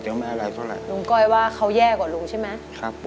ลุงก้อยว่าเขาแย่กว่าลุงใช่ไหม